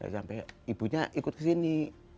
sampai ibunya ikut kesini